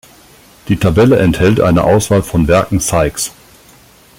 Die Tabelle enthält eine Auswahl von Werken Sykes’.